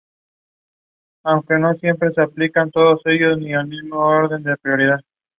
Comenzó su carrera como banderillero en la cuadrilla de su hermano Manuel, el Panadero.